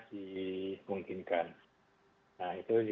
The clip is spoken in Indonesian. dimungkinkan nah itu